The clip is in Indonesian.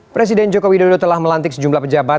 presiden jokowi dodo telah melantik sejumlah pejabat